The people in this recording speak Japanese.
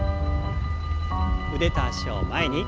腕と脚を前に。